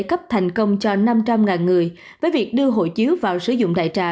cấp thành công cho năm trăm linh người với việc đưa hộ chiếu vào sử dụng đại trà